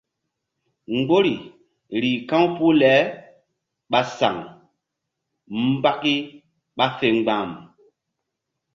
Mgbori rih ka̧w puh le ɓa saŋ mbaki ɓa fe mgba̧m.